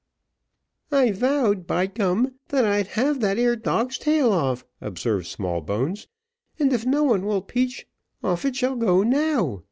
"I vowed by gum, that I'd have that ere dog's tail off," observed Smallbones; "and if no one will peach, off it shall go now.